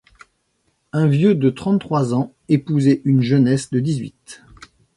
Un vieux de trente-trois ans épouser une jeunesse de dix-huit!